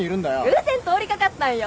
偶然通り掛かったんよ。